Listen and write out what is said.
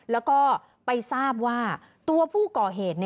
แล้วก็ไปทราบว่าตัวผู้ก่อเหตุ